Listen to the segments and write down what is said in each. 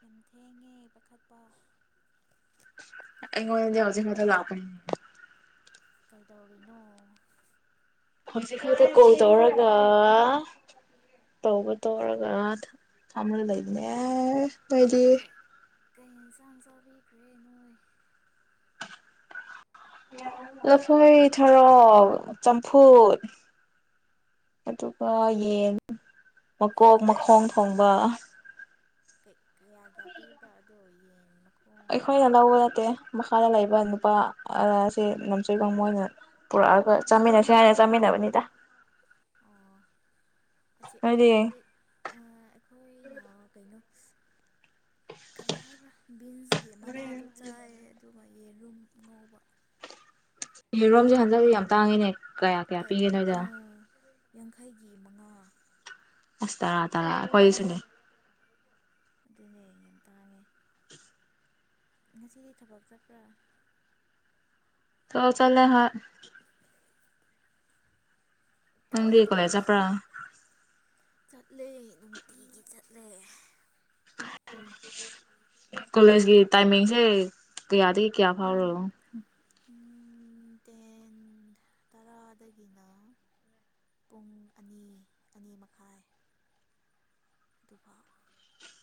ꯌꯥꯝ ꯊꯦꯡꯉꯦ ꯄꯥꯈꯠꯄ ꯑꯩꯉ ꯍꯧꯖꯤꯛ ꯃ ꯂꯥꯛꯄ ꯀꯩꯗꯧꯔꯤꯅꯣ ꯍꯧꯖꯤꯛ ꯈꯔꯗ ꯀꯣꯜ ꯇꯧꯔꯒ ꯇꯧꯕ ꯇꯧꯔꯒ ꯊꯃꯒ ꯂꯩꯕꯅꯦ ꯍꯥꯏꯗꯤ ꯀꯩ ꯀꯩ ꯏꯟꯁꯥꯡ ꯆꯥꯕꯤꯈ꯭ꯔꯦ ꯅꯣꯏ ꯂꯐꯣꯏ ꯊꯔꯣꯛ ꯆꯝꯐꯨꯠ ꯑꯗꯨꯒ ꯌꯦꯟ ꯃꯀꯣꯛ ꯃꯈꯣꯡ ꯊꯣꯡꯕ ꯀꯩ ꯀ ꯌꯥ ꯀ ꯄꯤꯗꯣꯏ ꯑꯩꯈꯣꯏꯅ ꯂꯧꯕ ꯅꯠꯇꯦ ꯃꯈꯥꯗ ꯂꯩꯕ ꯅꯨꯄꯥ ꯑꯁꯤ ꯅꯝꯆꯩꯒ ꯃꯣꯏꯅ ꯄꯨꯔꯛꯑꯒ ꯆꯥꯃꯤꯟꯅꯁꯤ ꯍꯥꯏꯅ ꯆꯥꯃꯤꯟꯅꯕꯅꯤꯗ ꯑꯣ ꯑꯁꯤ ꯅꯣꯏꯗꯤ ꯑꯁꯤꯗꯤ ꯑꯩꯈꯣꯏꯅ ꯀꯩꯅꯣ ꯀꯔꯤ ꯍꯥꯏꯕ꯭ꯔꯥ ꯕꯤꯟꯁꯒꯤ ꯃꯅꯥꯗꯣ ꯆꯥꯏꯌꯦ ꯑꯗꯨꯒ ꯌꯦꯔꯨꯝ ꯉꯧꯕ ꯌꯦ ꯔꯣꯝꯁꯦ ꯍꯟꯗꯛꯁ ꯌꯥꯝ ꯇꯥꯡꯉꯤꯅꯦ ꯀꯌꯥ ꯀꯌꯥ ꯄꯤꯒꯦꯅꫭꯏꯗ ꯌꯥꯡꯈꯩꯒꯤ ꯃꯉꯥ ꯑꯁ ꯇꯔꯥ ꯇꯔꯥ ꯀꯣꯏꯁꯨ ꯑꯗꯨꯅꯦ ꯍꯌꯦꯡ ꯌꯥꯝ ꯇꯥꯡꯉꯦ ꯉꯁꯤꯗꯤ ꯊꯕꯛ ꯆꯠꯄ꯭ꯔꯥ ꯊꯕꯛ ꯆꯠꯂꯦ ꯍꯣꯏ ꯀꯔꯤ ꯅꫭꯗꯤ ꯀꯔꯤ ꯀꯣꯂꯦꯁ ꯆꯠꯄ꯭ꯔ ꯑ ꯀꯣꯂꯦꯖꯀꯤ ꯇꯥꯏꯃꯤꯡꯁꯦ ꯀꯌꯥꯗꯒꯤ ꯀꯌꯥ ꯐꯥꯎꯔꯅꯣ ꯇꯦꯟ ꯇꯔꯥꯗꯒꯤꯅ ꯄꯨꯡ ꯑꯅꯤ ꯑꯅꯤ ꯃꯈꯥꯏ ꯑꯗꯨꯒꯗꯨꯕꯥ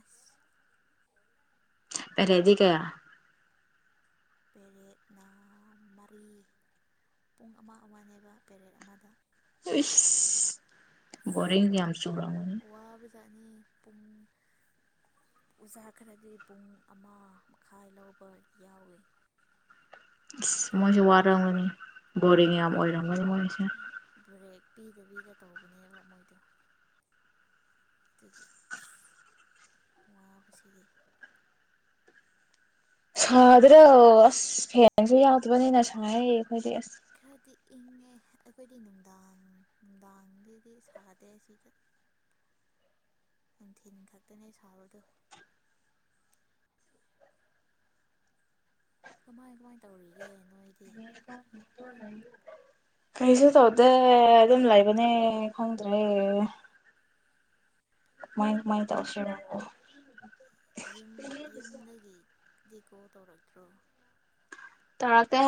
ꯑꯁ ꯄꯔꯦꯠꯗꯤ ꯀꯌꯥ ꯄꯦꯔꯦꯠꯅ ꯃꯔꯤ ꯄꯨꯡ ꯑꯃ ꯑꯃꯅꯦꯕ ꯄꯦꯔꯦꯠ ꯑꯃꯗ ꯏ ꯕꯣꯔꯤꯡ ꯌꯥꯝ ꯆꯨꯔꯣ ꯋꯥꯕꯖꯥꯅꯤ ꯄꯨꯡ ꯑꯣꯖꯥ ꯈꯔꯗꯤ ꯄꯨꯡ ꯑꯃ ꯃꯈꯥꯏ ꯂꯧꯕ ꯌꯥꯎꯋꯤ ꯏꯁ ꯑꯗꯨꯒ ꯃꯣꯏꯁꯨ ꯋꯥꯔꯝꯒꯅꯤ ꯎꯝ ꯕꯣꯔꯤꯡ ꯌꯥꯝ ꯑꯣꯏꯔꯝꯒꯅꯤ ꯃꯣꯏ ꯕ꯭ꯔꯦꯛ ꯄꯤꯗ ꯄꯤꯗ ꯇꯧꯕꯅꯦꯕ ꯃꯣꯏꯗꯣ ꯑꯗꯨꯗꯒꯤ ꯋꯥꯕꯁꯤꯗꯤ ꯁꯥꯗ꯭ꯔꯣ ꯑꯁ ꯐꯦꯡꯁꯨ ꯌꯥꯎꯗꯕꯅꯤꯅ ꯁꯥꯏꯌꯦ ꯐꯗꯤꯁ ꯈꯔꯗꯤ ꯏꯪꯉꯦ ꯑꯩꯈꯣꯏꯗꯤ ꯅꯨꯡꯗꯥꯡ ꯅꯨꯡꯗꯥꯡꯗꯗꯤ ꯁꯥꯗꯦ ꯁꯤꯗ ꯅꯨꯡꯊꯤꯜ ꯈꯛꯇꯅꯦ ꯁꯥꯕꯗꯣ ꯀꯃꯥꯏ ꯀꯃꯥꯏ ꯇꯧꯔꯤꯒꯦ ꯅꯣꯏ ꯎ ꯀꯩꯁꯨ ꯇꯧꯗꯦ ꯑꯗꯨꯝ ꯂꯩꯕꯅꯦ ꯈꯪꯗ꯭ꯔꯦ ꯃꯥꯏ ꯃꯥꯏ ꯇ ꯑꯁꯣ ꯌꯨꯝ ꯌꯨꯝꯗꯒꯤ ꯗꯤꯀꯣꯜ ꯇꯧꯔꯛꯇ꯭ꯔꯣ ꯇꯔꯛꯇꯦ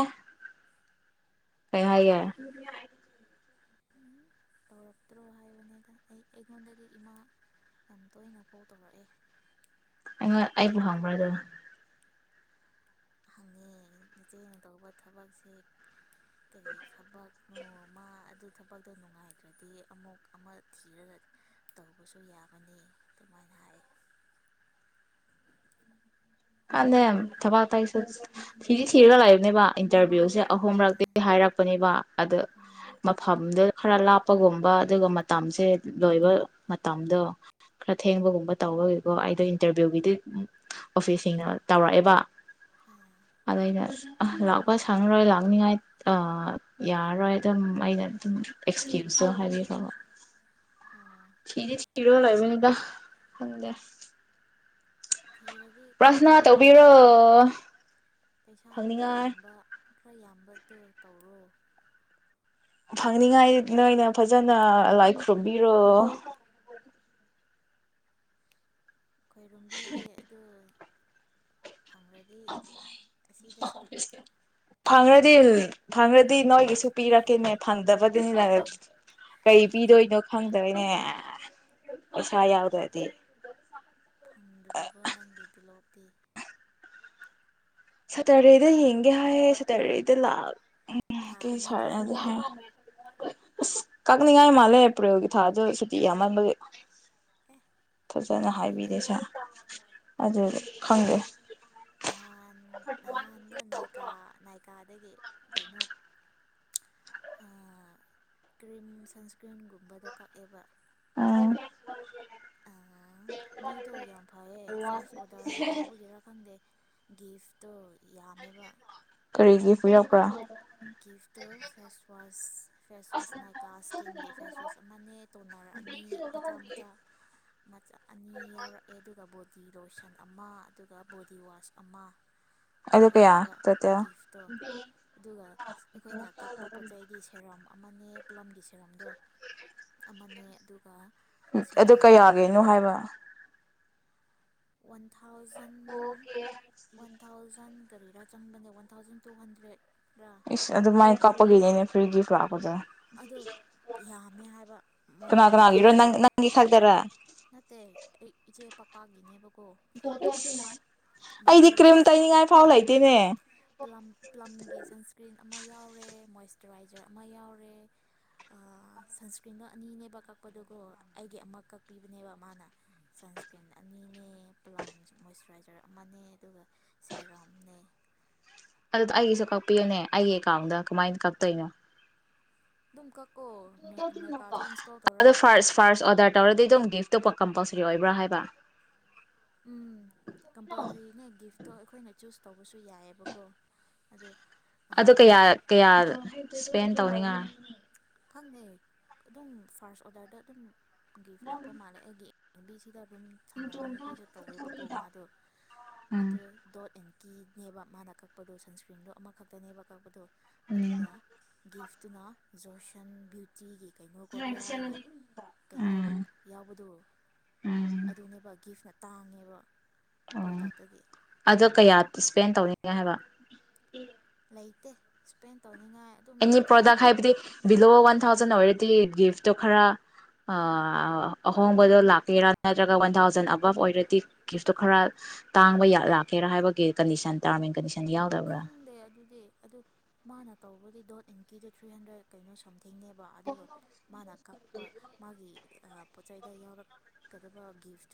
ꯀꯩꯍꯥꯏꯒꯦ ꯇꯧꯔꯛꯇ꯭ꯔꯣ ꯍꯥꯏꯕꯅꯤꯗ ꯑꯩ ꯑꯩꯉꯣꯟꯗꯒꯤ ꯏꯃꯥ ꯌꯥꯝ ꯇꯣꯏꯅ ꯀꯥꯎ ꯇꯧꯔꯛꯑꯦ ꯑ ꯑꯩꯕꯣ ꯈꯪꯕ꯭ꯔ ꯑꯗꯨ ꯍꯪꯉꯦ ꯅꯆꯦꯅ ꯇꯧꯕ ꯊꯕꯛꯁꯦ ꯀꯔꯤ ꯊꯕꯛꯅꯣꯃ ꯑꯗꯨ ꯊꯕꯛꯇꯣ ꯅꯨꯡꯉꯥꯏꯈ꯭ꯔꯗꯤ ꯑꯃꯨꯛ ꯑꯃ ꯊꯤꯔꯒ ꯇꯧꯕꯁꯨ ꯌꯥꯕꯅꯤ ꯑꯗꯨꯃꯥꯏꯅ ꯍꯥꯏ ꯀꯅ ꯊꯕꯥꯛ ꯇ ꯊꯤꯗꯤ ꯊꯤꯔꯒ ꯂꯥꯛꯏꯕꯅꯦꯕ ꯏꯟꯇꯔꯚꯤꯌꯨꯁꯦ ꯑꯍꯨꯝꯔꯛꯇꯤ ꯍꯥꯏꯔꯛꯄꯅꯦꯕ ꯑꯗ ꯃꯐꯝꯗ ꯈꯔ ꯂꯥꯞꯄꯒꯨꯝꯕ ꯑꯗꯨꯒ ꯃꯇꯝꯁꯦ ꯂꯣꯏꯕ ꯃꯇꯝꯗꯣ ꯈꯔ ꯊꯦꯡꯕꯒꯨꯝꯕ ꯇꯧꯕꯒꯤꯀꯣ ꯑꯩꯗꯣ ꯏꯟꯇꯔꯚꯤꯌꯨꯒꯤꯗꯤ ꯑꯣꯐꯤꯁ ꯊꯦꯡꯅꯕ ꯇꯧꯔꯛꯑꯦꯕ ꯑꯗ ꯑꯩꯅ ꯂꯥꯛꯄ ꯁꯪꯉꯔꯣꯏ ꯂꯥꯛꯅꯤꯉꯥꯏ ꯌꯥꯔꯔꯣꯏ ꯑꯗꯨꯝ ꯑꯩꯅ ꯑꯗꯨꯝ ꯑꯦꯛꯁꯀ꯭ꯌꯨꯁꯇꯣ ꯍꯥꯏꯕꯤꯌ ꯊꯤꯗꯤ ꯊꯤꯔꯥꯕꯅꯤꯗ ꯐꯪꯗꯦ ꯊꯤꯔꯗꯤ ꯀꯩꯅꯣ ꯄꯔ꯭ꯊꯅꯥ ꯇꯧꯕꯤꯔꯣ ꯄꯩꯁꯥ ꯈꯔ ꯐꯪꯅꯤꯡꯉꯥꯏ ꯌꯥꯝꯕ ꯈꯔ ꯌꯥꯝꯕꯗꯣ ꯇꯧꯔꯣ ꯐꯪꯅꯤꯡꯉꯥꯏ ꯅꯣꯏꯅ ꯐꯖꯅ ꯂꯥꯏ ꯈꯨ꯭ꯔꯨꯝꯕꯤꯔꯣ ꯈꯣꯏꯔꯝꯕꯤꯒꯦ ꯑꯗꫭ꯫ ꯑꯁꯤꯗꯁꯨ ꯈꯔ ꯐꯪꯔꯗꯤ ꯐꯪꯔꯗꯤ ꯈꯔ ꯅꯣꯏꯒꯤꯁꯨ ꯄꯤꯔꯛꯀꯦꯅꯦ ꯐꯪꯗꯕꯗꯨꯅꯤ ꯀꯩ ꯄꯤꯗꯣꯏꯅꯣ ꯈꯪꯗꯔꯦ꯫ [unintelligible] ꯄꯩꯁꯥ ꯌꯥꯎꯗ꯭ꯔꯗꯤ꯫ ꯐꯪꯗ꯭ꯔꯤꯕ ꯅꯪꯒꯤ ꯇꯨꯂꯣꯞ꯫ ꯇꯤ꯫ ꯁꯦꯇꫪꯗꯦꯗ ꯌꯦꯡꯒꯦ ꯍꯥꯏꯌꯦ ꯁꯦꯇꫪꯗꯦꯗ ꯂꯥꯛꯑꯒ꯫ ꯎꯝ ꯊꯥ ꯀꯩ [unintelligible] ꯑꯅꯤꯒꯤ ꯍꯥꯏ ꯆꯪꯗꯣꯏꯔꯥ ꯑꯁ ꯀꯛꯅꯤꯡꯉꯥꯏ ꯃꯥꯜꯂꯦ ꯑꯦꯄ꯭ꯔꯤꯜꯒꯤ ꯊꯥꯁꯨ ꯁꯨꯇꯤ ꯌꯥꯃꯟꯕꯒꯤ꯫ ꯑꯦ ꯐꯖꯅ ꯍꯥꯏꯕꯤꯗꯦ ꯂꯣꯏꯔꯦꯗꯅ ꯁꯥ꯫ ꯑꯗꯨꯖꯨ ꯈꯪꯗꯦ꯫ ꯅꯍꯥꯟ ꯅꯍꯥꯟꯗ ꯅꯥꯏꯀꯥ ꯅꯥꯏꯛ꯫ ꯀꯥꯗꯒꯤ꯫ ꯀꯩꯅꯣꯛ ꯀ꯭ꯔꯤꯝ ꯁꯟꯁꯀ꯭ꯔꯤꯟꯒꯨꯝꯕꯗꯣ ꯑ ꯑ ꯃꯣꯏꯗꯣ ꯌꯥꯝ ꯐꯩꯌꯦ ꯐꯥꯔꯁ ꯑꯣꯗꯔ ꯇꯧꯕꯒꯤꯔꯥ ꯈꯪꯗꯦ ꯒꯤꯐ ꯇꯣ ꯌꯥꯝꯃꯦꯕ ꯀ ꯒꯤꯐꯇꯨ face wash face wash Nykaa ꯏꯁꯀꯤꯟꯒꯤ ꯐꯦꯁ ꯋꯥꯁ ꯑꯃꯅꯦ ꯇꯣꯅꯔ ꯑꯅꯤ ꯃꯆꯥ ꯃꯆꯥ ꯑꯅꯤ ꯌꯥꯎꯔꯛꯑꯦ ꯑꯗꯨꯒ ꯗꯤꯔꯣꯁꯟ ꯑꯃ ꯑꯗꯨꯒ ꯕꯣꯗꯤ ꯋꯥꯁ ꯑꯃ ꯑꯗꯨꯗꯨ ꯀꯌꯥ ꯌꯥꯎꯔꯛꯑꯦꯕ ꯇꯣꯇꯥꯜ ꯒꯤꯐꯇꯣ ꯑꯗꯨꯒ ꯑꯩꯈꯣꯏꯅ ꯀꯛꯄ ꯄꯣꯠ ꯆꯩꯗꯤ ꯁꯦꯔꯥꯝ ꯑꯃꯅꯦ ꯄꯂꯝꯒꯤꯁ ꯍꯔꯣꯝꯗꯣ ꯑꯃꯅꯦ ꯑꯗꯨꯒ ꯑꯗꯨ ꯀꯌꯥꯒꯤꯅꯣ ꯍꯥꯏꯕ ꯑꯣ ꯊꯥꯎꯖꯟ ꯋꯥꯟ ꯊꯥꯎꯖꯟ ꯀꯔꯤꯔꯥ ꯆꯪꯕꯅꯦ ꯋꯥꯟ ꯊꯥꯎꯖꯟ ꯇꯨ ꯍꯟꯗ꯭ꯔꯦꯠ ꯏꯁ ꯑꯗꯨꯃꯥꯏꯅ ꯀꯥꯞꯄꯒꯤꯅꯦ ꯐꯔꯤ ꯒꯤꯐ ꯂꯥꯛꯄꯗ ꯑꯗꯣ ꯌꯥꯝꯃꯦ ꯍꯥꯏꯕ ꯀꯅꯥ ꯃꯣꯏꯒꯤ ꯀꯅꯥꯒꯤꯔꯣ ꯅꯪ ꯒꯤꯐꯇꯣ ꯅꯪꯒꯤ ꯈꯛꯇꯔ ꯅꯠꯇꯦ ꯑꯩ ꯏꯆꯦ ꯄꯄꯥꯒꯤꯅꯦꯕ ꯑꯩꯗꯤ ꯀ꯭ꯔꯤꯝ ꯇꯩꯅꯤꯡꯉꯥꯏ ꯐꯥꯎ ꯂꯩꯇꯦꯅꯦ ꯄꯂꯝ ꯄꯂꯝꯒꯤ ꯁꯟꯁꯀ꯭ꯔꯤꯟ ꯑꯃ ꯌꯥꯎꯔꯦ ꯃꯣꯏꯆꯨꯔꯥꯏꯖꯔ ꯑꯃ ꯌꯥꯎꯔꯦ ꯁꯟꯁꯀ꯭ꯔꯤꯟꯗꯣ ꯑꯅꯤꯅꯦꯕ ꯀꯛꯄꯗꯨꯒꯣ ꯑꯩꯒꯤ ꯑꯃ ꯀꯛꯄꯤꯕꯅꯦꯕ ꯃꯥꯅ ꯁꯟꯁꯀ꯭ꯔꯤꯟ ꯑꯅꯤꯅꯦ ꯄꯂꯝꯥꯟ ꯃꯣꯏꯆꯨꯔꯥꯏꯖꯔ ꯑꯃꯅꯦ ꯑꯗꯨꯒ ꯁꯦꯔꯝꯅꯦ ꯑꯗꯨꯗ ꯑꯩꯒꯤꯁꯨ ꯀꯛꯄꯤꯌꯨꯅꯦ ꯑꯩꯒꯤ ꯑꯦꯀꯥꯎꯗ ꯀꯃꯥꯏꯅ ꯀꯛꯇꯣꯏꯅꯣ ꯅꯪ ꯀꯛ ꯐꯁ ꯐꯥꯁ ꯑꯣꯗꯔ ꯇꯔꯗ ꯒꯤꯐ ꯑꯇꯣꯞꯄ ꯀꯝꯄꯜꯁꯔꯤ ꯑꯣꯏꯕ꯭ꯔꯥ ꯍꯥꯏꯕ ꯎꯝ ꯀꯝꯄꯜꯁꯔꯤꯅꯦ ꯒꯤꯐꯇꯣ ꯑꯩꯈꯣꯏꯅ ꯆꯨꯁ ꯇꯧꯕꯁꯨ ꯌꯥꯏꯑꯕꯀꯣ ꯑ ꯑꯗꯨ ꯀꯌꯥ ꯀꯌꯥ ꯏꯁꯄꯦꯟ ꯇꯧꯅꯤꯉꯥꯏ ꯈꯪꯗꯩ ꯑꯗꯨꯝ ꯐꯥꯔꯁ ꯑꯣꯗꯔꯗ ꯑꯗꯨꯝ ꯒꯤꯐ ꯂꯥꯛꯄ ꯃꯥꯂꯦꯒꯤ ꯕꯤꯖ ꯁꯤꯗ ꯑꯗꯨꯨꯝ ꯁꯪꯅꯕ ꯅꯨꯄꯤꯁꯨ ꯇꯧꯋꯦꯕꯀꯣ ꯃꯥꯗꯣ ꯑꯗꯨ ꯎꯝ ꯗꯣꯠ ꯏꯟ ꯀꯤꯅꯦꯕ ꯃꯥꯅ ꯀꯛꯄꯗꯣ ꯁꯟꯁꯀ꯭ꯔꯤꯟꯗꯣ ꯑꯃꯈꯛꯇꯅꯦꯕ ꯀꯛꯄꯗꯣ ꯎꯝ ꯑꯗꯨꯒ ꯒꯤꯐ ꯏꯗꯨꯅꯥ ꯖꯣꯁ ꯕꯌꯨꯇꯤꯒꯤ ꯀꯩꯅꯣ ꯀꯣꯔꯤꯌꯥꯒꯤ ꯀꯩꯅꯣ ꯎꯝ ꯌꯥꯎꯕꯗꯨ ꯎꯝ ꯑꯗꯨꯅꯦꯕ ꯒꯤꯐ ꯅ ꯇꯥꯡꯉꯦꯕ ꯑꯣ ꯄ꯭ꯔꯣꯗꯛꯇꯒꯤ ꯑꯗꯣ ꯀꯌꯥ ꯏꯁꯄꯦꯟ ꯇꯧꯅꯤꯡꯉꯥꯏ ꯍꯥꯏꯕ ꯂꯩꯇꯦ ꯁ꯭ꯄꯦꯟ ꯇꯧ ꯑꯦꯅꯤ ꯄ꯭ꯔꯣꯗꯛ ꯍꯥꯏꯕꯗꯤ ꯕꯤꯂꯣ ꯋꯥ ꯋꯥ ꯊꯥꯎꯖꯟ ꯑꯣꯏꯔꯗꯤ ꯒꯤꯐꯇꯣ ꯈꯔ ꯑꯍꯣꯡꯕꯗꯣ ꯂꯥꯛꯀꯦꯔꯥ ꯅꯠꯇ꯭ꯔꯒ ꯋꯥꯟ ꯊꯥꯎꯖꯟ ꯑꯣꯏꯔꯗꯤ ꯒꯤꯐꯇꯣ ꯈꯔ ꯇꯥꯡꯕ ꯂꯥꯛꯀꯦꯔꯥ ꯍꯥꯏꯕꯒꯤ ꯀꯟꯗꯤꯁꯟ ꯇꯔꯥꯝ ꯀꯁ ꯈꯪꯗꯦ ꯑꯗꯨꯗꯤ ꯑꯗꯨ ꯃꯥꯅ ꯇꯧꯕꯗꯤ ꯗꯣ ꯏꯟꯀꯤꯗꯣ ꯊ꯭ꯔꯤ ꯍꯟꯗ꯭ꯔꯦꯠ ꯀꯩꯅꯣ ꯁꯝ ꯊꯦꯡꯅꯦꯕ ꯑꯗꯨꯒ ꯃꯥꯅ ꯀꯛꯄ ꯃꯥꯒꯤ ꯄꯣꯠ ꯆꯩꯗ ꯌꯥꯎꯔꯛꯀꯗꯕ ꯒꯤꯐ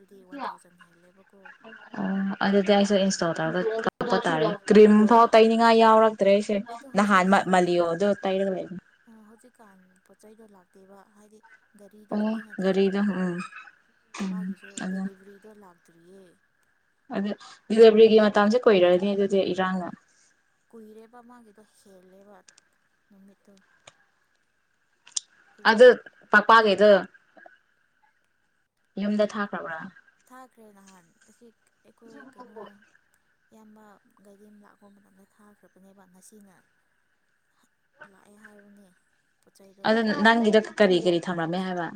ꯑꯣ ꯑꯗꯨꯗ ꯑꯩꯁꯨ ꯆꯥꯎ ꯇꯥꯔꯒ ꯀꯥꯛꯄ ꯇꯥꯔꯦ꯫ ꯀ꯭ꯔꯤꯝ ꯑꯗꯣ ꯐꯥꯎ ꯇꯩꯅꯤꯡꯉꯥꯏ ꯌꯥꯎꯔꯛꯇ꯭ꯔꯦ ꯑꯩꯁꯦ ꯑꯗꯣ ꯅꯍꯥꯟ ꯍꯧꯖꯤꯛꯀꯥꯟ ꯃꯜꯂꯤꯌꯣ ꯑꯗꯨ ꯇꯩꯔꯒꯥ ꯂꯩꯕꯅꯤ꯫ ꯍꯧꯖꯤꯛꯀꯥꯟ ꯄꯣꯠ ꯆꯩꯗꯣ ꯂꯥꯛꯇꯦꯕ ꯍꯥꯏꯗꯤ ꯒꯥꯔꯤꯗꯣ ꯑꯣ ꯐꯖꯅ ꯒꯥꯔꯤꯗꯣ ꯆꯠꯇꯕꯅꯤꯅꯀꯣ ꯎꯝ ꯎꯝ ꯃꯥꯒꯤꯁꯨ ꯑꯗꯨ ꯗꯦꯂꯤꯕꯔꯤꯗꯣ ꯂꯥꯛ ꯇꯔꯤꯌꯦ ꯑꯗꯨ ꯗꯤꯂꯤꯚꯔꯤꯒꯤ ꯃꯇꯥꯡꯁꯦ ꯀꯨꯏꯔꯅꯤ ꯑꯗꯨꯗꯤ ꯏꯔꯥꯡꯅ꯫ ꯀꯨꯏꯔꯦꯕ ꯃꯥꯒꯤꯗꯣ ꯍꯦꯜꯂꯦꯕ ꯅꯨꯃꯤꯠꯇꯨ ꯫ ꯑꯗ ꯄꯥꯒꯦꯗꯣ ꯌꯨꯝꯗ ꯊꯥꯈ꯭ꯔꯕ꯭ꯔꯥ? ꯊꯈꯔ꯭ꯦ ꯅꯍꯥꯟ ꯑꯁꯤ ꯑꯩꯈꯣꯏ ꯀꯩꯅꯣ ꯏꯌꯥꯝꯕ ꯒꯥꯔꯤ ꯑꯃ ꯂꯥꯛꯄ ꯃꯇꯝꯅꯗ ꯊꯥꯈ꯭ꯔꯕꯅꯦꯕ ꯉꯁꯤꯅ ꯂꯥꯛꯑꯦ ꯍꯥꯏꯕꯅꯦ꯫ ꯄꯣꯠ ꯆꯩꯗꯣ ꯑꯗꯨ ꯅꯪꯒꯤꯗꯣ ꯀꯔꯤ - ꯀꯔꯤ ꯊꯝꯂꯝꯃꯦ ꯍꯥꯏꯕ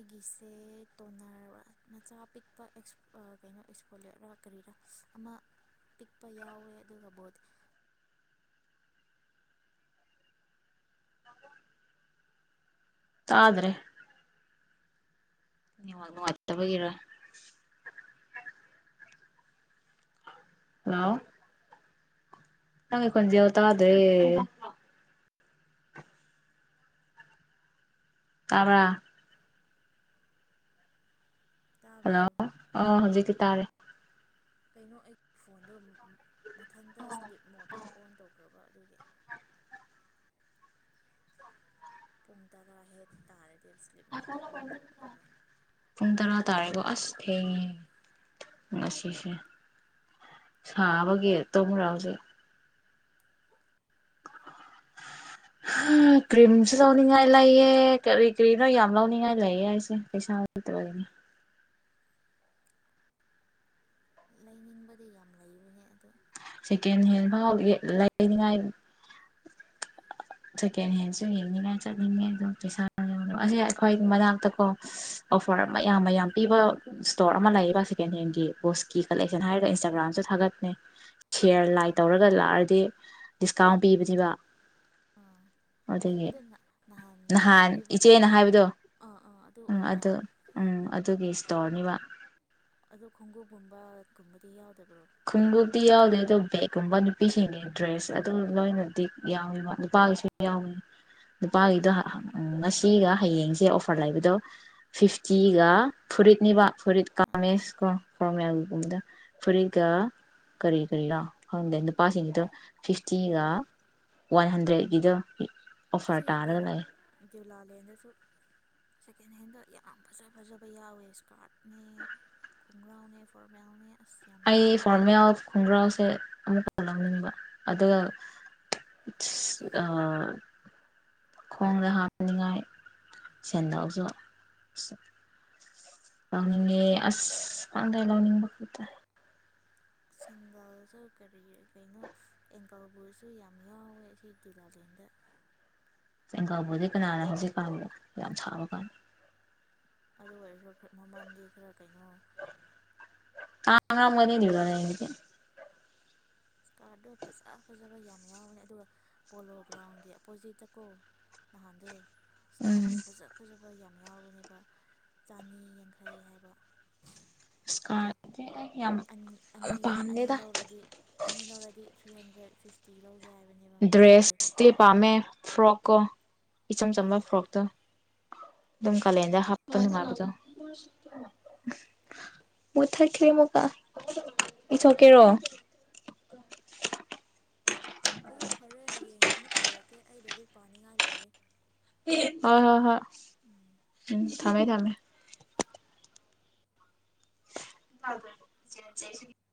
ꯑꯩꯒꯤꯁꯦ ꯇꯣꯟꯅꯔ ꯃꯆꯥ ꯄꯤꯛꯄ ꯀꯩꯅꯣ ꯑꯦꯛꯁꯄꯣꯂꯤꯌꯔ ꯀꯔꯤꯔꯥ ꯑꯃ ꯄꯤꯛꯄ ꯌꯥꯎꯋꯦ ꯑꯗꯨꯒ ꯕꯣꯗꯤ ꯇꯥꯗꯔ꯭ꯦ ꯫ ꯅꯦꯠꯋꯥꯛ ꯅꯨꯪꯉꯥꯏꯇꯥꯕꯥꯒꯤꯔ? ꯍꯂꯣ! ꯅꯪꯒꯤ ꯈꯣꯟꯖꯦꯜꯗꯣ ꯇꯗꯦ꯫ ꯇꯥꯕꯔꯥ? ꯍꯜꯂꯣ ꯇꯥꯕ꯭ꯔꯣ ꯑ ꯍꯧꯖꯤ ꯇꯥꯥꯔꯦ꯫ ꯀꯩꯅꯣ ꯑꯩꯒꯤ ꯐꯣꯟꯗꯣ ꯑꯃꯨꯛ ꯃꯊꯟꯇ ꯏꯁ꯭ꯂꯤꯞ ꯃꯣꯠꯇꯣ ꯑꯣꯟ ꯇꯧꯈ꯭ꯔꯕ [inaudible] ꯄꯨꯡ ꯇꯔꯥ ꯍꯦꯟꯅ ꯇꯥꯔꯦ꯫ ꯄꯨꯡ ꯇꯔꯥ ꯇꯥꯔꯦꯕ ꯑꯁ ꯊꯦꯡꯉꯦ ꯉꯁꯤꯁꯦ ꯁꯥꯕꯒꯤ ꯇꯨꯝꯕ꯭ꯔꯥ ꯍꯧꯖꯤꯛ ꯀ꯭ꯔꯤꯝꯁꯨ ꯂꯧꯅꯤꯡꯉꯥꯏ ꯂꯩꯑ ꯀꯔꯤ- ꯀ꯭ꯔꯤꯝꯅꯣ ꯌꯥꯝ ꯂꯧꯅꯤꯡꯉꯥꯏ ꯂꯩꯌꯦ ꯑꯩꯁꯦ ꯄꯩꯁꯥ ꯂꯩꯇꯕꯒꯤꯅꯤ꯫ ꯂꯩꯅꯤꯡꯕꯗꯤ ꯌꯥꯝ ꯂꯩꯕꯅꯦ ꯑꯗꯣ ꯁꯦꯀꯦꯟ ꯍꯦꯟ ꯐꯥꯎ ꯂꯩꯅꯤꯉꯥꯏ ꯁꯦꯀꯦꯟ ꯍꯦꯟꯁꯨ ꯌꯦꯡꯅꯤꯡꯉꯥꯏ ꯆꯠꯅꯤꯡꯉꯦ ꯑꯗꯨꯝ ꯄꯩꯁꯥ ꯑꯁ ꯑꯩꯈꯣꯏ ꯃꯅꯥꯛꯇꯀꯣ ꯑꯣꯐꯔ ꯃꯌꯥꯝ- ꯃꯌꯥꯝ ꯄꯤꯕ ꯏꯁꯇꯣꯔ ꯑꯃ ꯂꯩꯌꯦꯕ ꯁꯦꯀꯦꯟ ꯍꯦꯟꯒꯤ ꯕꯣꯁꯀꯤ ꯀꯂꯦꯛꯁꯟ ꯍꯥꯏꯔꯒ ꯏꯟꯁꯇꯥꯒ꯭ꯔꯥꯝꯁꯨ ꯊꯥꯒꯠꯅꯦ ꯁꯤꯌꯔ ꯑꯣ ꯂꯥꯏ ꯇꯧꯔꯒ ꯂꯥꯛꯑꯔꯗꯤ ꯗꯤꯁꯀꯥꯎꯟ ꯄꯤꯕꯅꯦꯕ꯫ ꯑꯥ ꯑꯗꯨꯗꯒꯤ ꯑꯗꯨ ꯀꯩꯅꯣ ꯅꯍꯥꯟ ꯑꯣꯂꯤꯕ ꯏꯆꯦꯅ ꯍꯥꯏꯕꯗꯣ ꯑꯥ ꯑꯥ ꯎꯝ ꯑꯣꯏꯕ꯭ꯔꯥ ꯑꯗꯨ ꯎꯝ ꯑꯗꯨꯒꯤ ꯇꯣꯔꯅꯤꯕ꯫ ꯑꯗꯣ ꯈꯣꯡꯎꯞꯒꯨꯝꯕꯒꯨꯝꯕꯗꯤ ꯌꯥꯎꯗꯕ꯭ꯔꯣ? ꯈꯣꯡꯎꯞꯇꯤ ꯌꯥꯎꯗꯦ ꯑꯗꯣ ꯕꯦꯒꯀꯨꯝꯕ ꯅꯨꯄꯤꯁꯤꯡꯒꯤ ꯗ꯭ꯔꯦꯁ ꯑꯗꯨ ꯂꯣꯏꯅꯗꯤ ꯌꯥꯎꯏꯕ ꯅꯨꯄꯥꯒꯤꯁꯨ ꯌꯥꯎꯏ ꯅꯨꯄꯥꯒꯤꯗꯣ ꯉꯁꯤꯒ ꯍꯌꯦꯡꯁꯦ ꯑꯣꯐꯔ ꯂꯩꯕꯗꯣ ꯐꯤꯐꯇꯤꯒ ꯐꯨꯔꯤꯠꯅꯦꯕ ꯐꯨꯔꯤꯠ ꯑꯥ ꯀꯥꯃꯦꯁ ꯀꯣ ꯀꯣꯔꯣꯃꯦꯜꯒꯨꯝꯕꯗ ꯐꯨꯔꯤꯠ ꯒꯥ ꯀꯔꯤ- ꯀꯔꯤꯂ ꯈꯪꯗꯦ ꯅꯨꯄꯥ ꯁꯤꯡꯗꯨ ꯐꯤꯐꯇꯤꯒ ꯋꯥꯟ ꯍꯟꯗ꯭ꯔꯦꯠꯀꯤꯗ ꯑꯣꯐꯔ ꯇꯥꯔꯒ ꯂꯩ ꯗ꯭ꯌꯨꯂꯥꯂꯦꯟꯗꯁꯨ ꯁꯦꯀꯦꯟ ꯍꯦꯟꯗ ꯌꯥꯝ ꯐꯖ ꯐꯖꯕ ꯌꯥꯎꯋꯦ [unintelligible] ꯈꯣꯡꯒ꯭ꯔꯥꯎꯅꯦ ꯐꯣꯔꯃꯦꯜꯅꯦ ꯑꯁ ꯌꯥꯝ ꯑꯩ ꯌꯥꯎꯋꯦ ꯐꯣꯔꯃꯦꯜ ꯈꯣꯡꯒ꯭ꯔꯥꯎꯁꯦ ꯑꯃꯨꯛꯀꯥ ꯂꯧꯅꯤꯡꯕ ꯑꯗꯨꯒ ꯑ ꯈꯣꯡꯗ ꯍꯥꯞꯅꯤꯡꯉꯥꯏ ꯁꯦꯟꯗꯜꯁꯨ ꯂꯧꯅꯤꯡꯑꯦ ꯑꯁ ꯈꯪꯗꯦ ꯂꯧꯕꯅꯤꯡꯕꯈꯛꯇ ꯁꯦꯗꯜꯁꯨ ꯀꯔꯤꯒꯤ ꯀꯩꯅꯣ ꯑꯦꯡꯀꯜꯕꯨꯠꯁꯨ ꯌꯥꯝ ꯌꯥꯎꯋꯦ ꯑꯁꯤꯒꯤ ꯗ꯭ꯌꯨꯂꯥꯂꯦꯟꯗ ꯑꯦꯡꯀꯜꯕꯨꯠꯇꯤ ꯀꯅꯥꯅ ꯍꯧꯖꯤꯛꯀꯥꯟꯕꯨ ꯌꯥꯝ ꯁꯥꯕ ꯀꯥꯟ ꯑꯗꯨ ꯑꯣꯏꯔꯁꯨ ꯈꯔ ꯃꯃꯟꯗꯤ ꯈꯔ ꯀꯩꯅꯣ ꯀꯥ ꯉꯝꯃꯣꯏꯗ ꯗ꯭ꯌꯨꯂꯥꯂꯦꯟꯒꯤꯗꯤ ꯁꯀ꯭ꯔꯠꯗꯣ ꯐꯖ ꯐꯖꯕ ꯌꯥꯝ ꯌꯥꯎꯕꯅꯤ ꯑꯗꯨꯒ ꯄꯣꯂꯣ ꯒ꯭ꯔꯥꯎꯟꯒꯤ ꯑꯣꯄꯣꯖꯤꯠꯇꯀꯣ ꯅꯍꯥꯟꯗꯣ ꯁꯀ꯭ꯔꯠ ꯎꯝ ꯇꯣ ꯐꯖ ꯐꯖꯕ ꯃꯣꯏ ꯌꯥꯝ ꯌꯥꯎꯕꯅꯦꯕ ꯆꯥꯅꯤ ꯌꯥꯡꯈꯩ ꯍꯥꯏꯕ ꯑꯗꯨ ꯁꯀ꯭ꯔꯠꯇꯤ ꯑꯩ ꯌꯥꯝ ꯑꯅꯤ ꯑꯅꯤ ꯑꯅꯤ ꯄꯥꯝꯗꯦꯗꯥ ꯂꯧꯔꯗꯤ ꯑꯅꯤ ꯂꯧꯔꯗꯤ ꯊ꯭ꯔꯤ ꯍꯟꯗ꯭ꯔꯦꯠ ꯐꯤꯐꯇꯤ ꯂꯧ ꯗ꯭ꯔꯦꯁꯇꯤ ꯄꯥꯝꯃꯦ ꯐ꯭ꯔꯣꯛ ꯀꯣ ꯏꯆꯝ ꯆꯝꯕ ꯑꯥ ꯐ꯭ꯔꯣꯛꯇꯣ ꯑꯗꯨꯝ ꯀꯥꯂꯦꯟꯗ ꯍꯥꯞꯄ ꯅꯨꯡꯉꯥꯏꯕꯗꯣ ꯎꯝ ꯃꯨꯊꯠꯈ꯭ꯔꯦ ꯑꯃꯨꯛꯀ ꯏꯊꯣꯛꯀꯦꯔꯣ ꯑꯗꯣ ꯐꯔꯦ ꯍꯌꯦꯡ ꯑꯃꯨꯛ ꯇꯧꯔꯛꯀꯦ ꯑꯩ ꯂꯥꯏꯔꯤꯛ ꯄꯥꯅꯤꯡꯉꯥꯏ ꯂꯩꯌꯦ ꯍꯣꯏ ꯍꯣꯏ ꯍꯣꯏ ꯎꯝ ꯊꯝꯃꯦ ꯊꯝꯃꯦ [unintelligible]